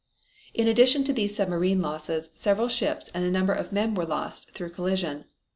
In addition to these submarine losses several ships and a number of men were lost through collision.